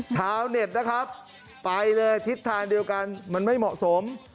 ชาวเน็ตนะครับไปเลยทิศทางเดียวกันมันไม่เหมาะสม